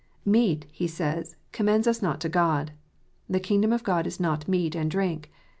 "Meat," he says, "commends us not to God." "The king dom of God is not meat and drink."